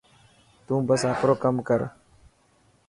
تون بس آپرو ڪم ڪر.